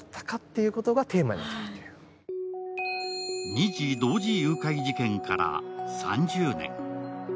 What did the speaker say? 二児同時誘拐事件から３０年。